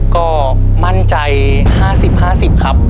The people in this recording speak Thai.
ก็มั่นใจ๕๐๕๐ครับ